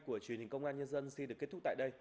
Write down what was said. của truyền hình công an nhân dân xin được kết thúc tại đây